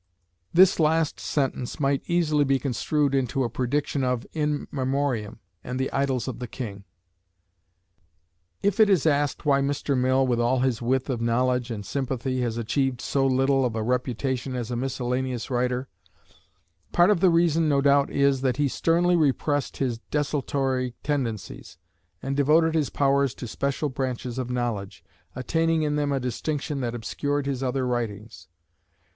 '" This last sentence might easily be construed into a prediction of "In Memoriam" and "The Idyls of the King." If it is asked why Mr. Mill, with all his width of knowledge and sympathy, has achieved so little of a reputation as a miscellaneous writer, part of the reason no doubt is, that he sternly repressed his desultory tendencies, and devoted his powers to special branches of knowledge, attaining in them a distinction that obscured his other writings.